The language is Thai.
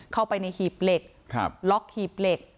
เข้าไปในหีบเหล็กล็อกหีบเหล็ก